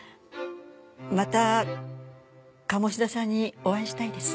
また鴨志田さんにお会いしたいです。